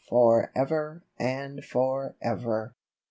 For ever and for ever